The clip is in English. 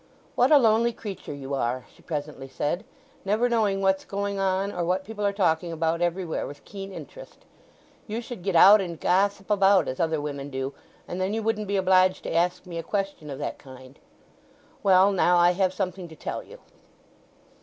"What a lonely creature you are," she presently said; "never knowing what's going on, or what people are talking about everywhere with keen interest. You should get out, and gossip about as other women do, and then you wouldn't be obliged to ask me a question of that kind. Well, now, I have something to tell you."